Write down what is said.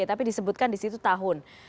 tapi disebutkan disitu tahun